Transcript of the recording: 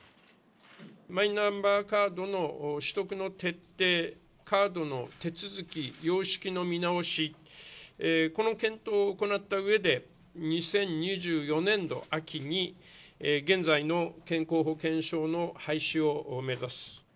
マイナンバーカードの取得の徹底、カードの手続き、様式の見直し、この検討を行ったうえで、２０２４年度秋に現在の健康保険証の廃止を目指す。